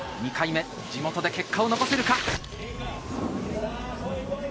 地元で結果を残せるか？